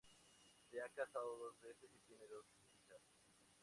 Se ha casado dos veces y tiene dos hijas.